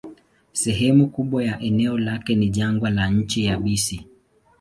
Sehemu kubwa ya eneo lake ni jangwa na nchi yabisi.